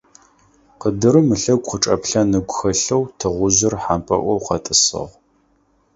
Къыдырым ылъэгу къычӀэплъэн ыгу хэлъэу тыгъужъыр хьампӀэloy къэтӀысыгъ.